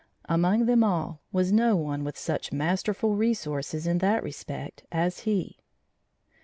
Among them all was no one with such masterful resources in that respect as he.